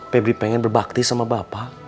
pebri pengen berbakti sama bapak